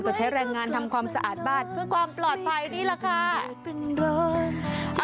ก็ใช้แรงงานทำความสะอาดบ้านเพื่อความปลอดภัยนี่แหละค่ะ